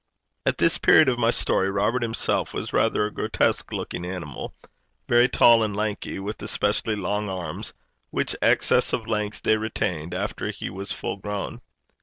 At this period of my story, Robert himself was rather a grotesque looking animal, very tall and lanky, with especially long arms, which excess of length they retained after he was full grown.